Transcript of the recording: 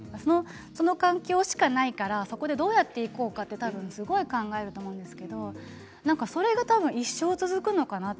その環境しかないからそこでどうやっていこうかって多分、すごい考えると思うんですけれど多分それが一生、続くのかなって。